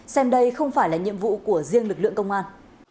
xem đây không phải là nhiệm vụ của riêng lực lượng công an